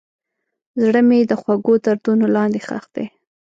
زړه مې د خوږو دردونو لاندې ښخ دی.